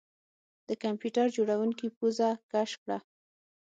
د کمپیوټر جوړونکي پوزه کش کړه